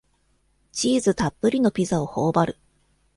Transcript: チーズたっぷりのピザをほおばる